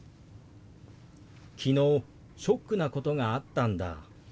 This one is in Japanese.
「昨日ショックなことがあったんだ」。